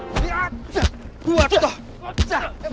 kita udah lama kan gak makan malam